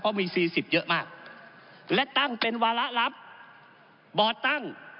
เพราะมี๔๐เยอะมากและตั้งเป็นวาระลับบ่อตั้ง